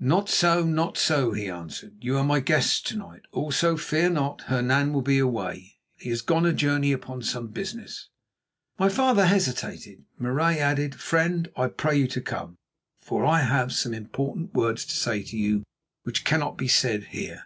"Not so, not so," he answered, "you are my guests to night. Also, fear not, Hernan will be away. He has gone a journey upon some business." As my father hesitated, Marais added: "Friend, I pray you to come, for I have some important words to say to you, which cannot be said here."